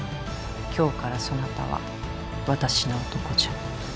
今日からそなたは私の男じゃ。